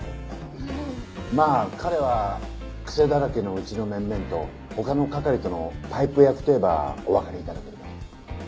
まあ彼は癖だらけのうちの面々と他の係とのパイプ役と言えばおわかり頂けるかと。